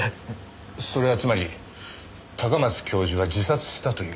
それはつまり高松教授は自殺したという。